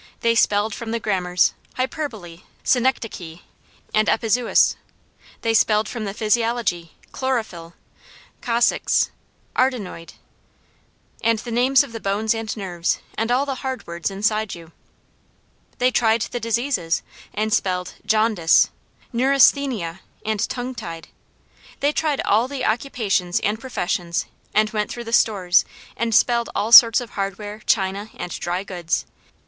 They spelled from the grammars, hyperbole, synecdoche, and epizeuxis. They spelled from the physiology, chlorophyll, coccyx, arytenoid, and the names of the bones and nerves, and all the hard words inside you. They tried the diseases and spelled jaundice, neurasthenia, and tongue tied. They tried all the occupations and professions, and went through the stores and spelled all sorts of hardware, china and dry goods.